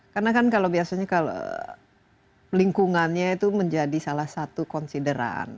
karena kan kalau biasanya kalau lingkungannya itu menjadi salah satu konsideran